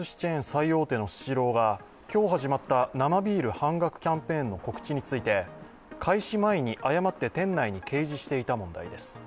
最大手のスシローが、今日始まった生ビール半額キャンペーンの告知について開始前に誤って店内に掲示していた問題です。